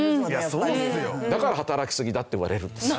だから働きすぎだって言われるんですよ。